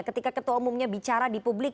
ketika ketua umumnya bicara di publik